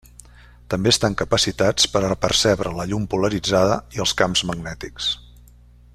També estan capacitats per a percebre la llum polaritzada i els camps magnètics.